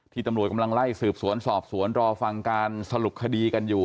ตำรวจกำลังไล่สืบสวนสอบสวนรอฟังการสรุปคดีกันอยู่